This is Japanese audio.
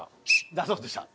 出そうとした？